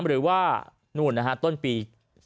หรือว่าต้นปี๖๒